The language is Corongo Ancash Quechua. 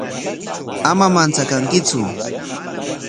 Ama manchakankitsu.